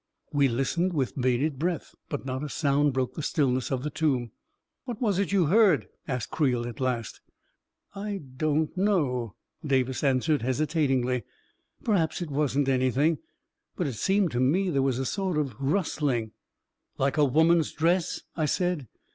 We listened with bated breath, but not a sound broke the stillness of the tomb. " What was it you heard? " asked Creel, at last. "I don't know," Davis answered hesitatingly. 14 Perhaps it wasn't anything — but it seemed to me there was a sort of rustling .•."" Like a woman's dress," I said.